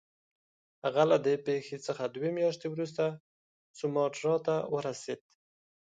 هغه له دې پیښې څخه دوې میاشتې وروسته سوماټرا ته ورسېد.